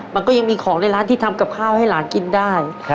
มันก็ยังมีของในร้านที่ทำกับข้าวให้หลานกินได้